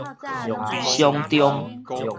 傷重